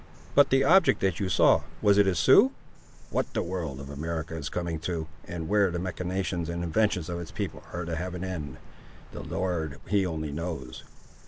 "But the object, that you saw—was it a Sioux?" "What the world of America is coming to, and where the machinations and inventions of its people are to have an end, the Lord, he only knows.